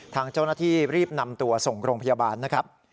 ทางเจ้าหน้าที่รีบนำตัวส่งโรงพยาบาลนะครับ